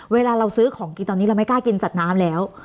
เวลาเราซื้อของกินตอนนี้เราไม่กล้ากินสัตว์น้ำแล้ว